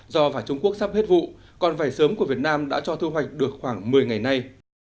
do vải trung quốc sắp hết vụ còn vải sớm của việt nam đã cho thu hoạch được khoảng một mươi ngày nay